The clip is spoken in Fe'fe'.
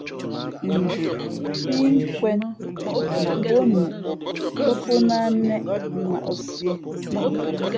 Nzhuʼ pí nkwēn mα pó nuʼ tά pó náh nnéʼ nᾱʼsīē.